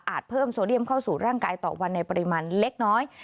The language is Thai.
เพิ่มโซเดียมเข้าสู่ร่างกายต่อวันในปริมาณเล็กน้อย